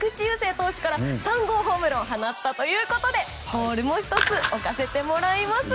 投手から３号ホームランを放ったということでボールも１つ置かせてもらいます。